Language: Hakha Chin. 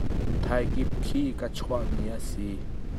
Thaikip khi ka chuah ni a si.